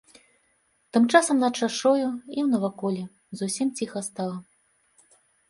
Тым часам над шашою і ў наваколлі зусім ціха стала.